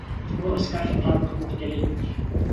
Өө Скарлетт та бүр хүүхдээрээ юм.